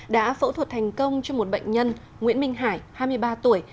đã phẫu thuật thành công cho một bệnh nhân nguyễn minh hải hai mươi ba tuổi